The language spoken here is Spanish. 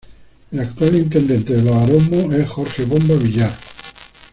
El actual intendente de Los Aromos es Jorge "Bomba" Villar.